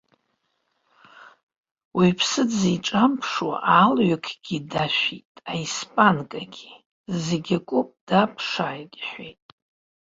Уаҩԥс дзиҿамԥшуа, алҩақгьы дашәит, аиспанкагьы, зегь акоуп, даԥшааит, иҳәеит.